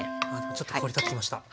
ちょっと香り立ってきました。